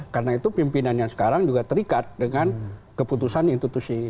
karena itu pimpinan yang sekarang juga terikat dengan keputusan institusi